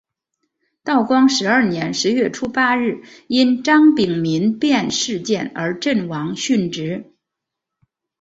道光十二年十月初八日因张丙民变事件而阵亡殉职。